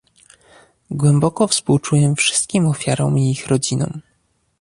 Głęboko współczuję wszystkim ofiarom i ich rodzinom